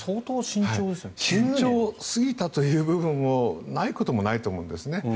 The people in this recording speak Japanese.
慎重すぎたという部分もないことはないと思うんですね。